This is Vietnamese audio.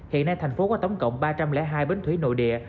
hiện nay thành phố có tổng cộng ba trăm linh hai bến thủy nội địa